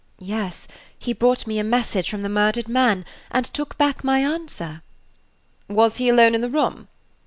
"Yes; he brought me a message from the murdered man, and took back my answer." "Was he alone in the room?"